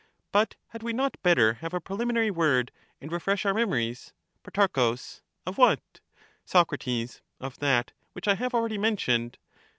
But had we not better have a preliminary word and refresh our memories ? Pro. Of what? Soc, Of that which I have already mentioned.